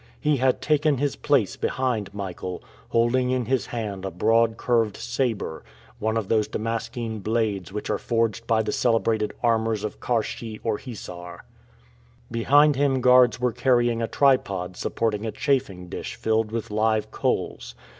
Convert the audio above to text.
He had taken his place behind Michael, holding in his hand a broad curved saber, one of those Damascene blades which are forged by the celebrated armorers of Karschi or Hissar. Behind him guards were carrying a tripod supporting a chafing dish filled with live coals.